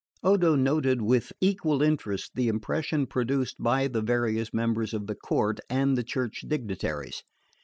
Odo noted with equal interest the impression produced by the various members of the court and the Church dignitaries.